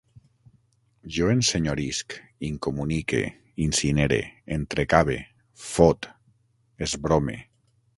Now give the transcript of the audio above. Jo ensenyorisc, incomunique, incinere, entrecave, fot, esbrome